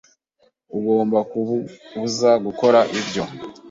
Ugomba kubuza gukora ibyo.